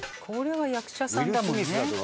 これは役者さんだもんね。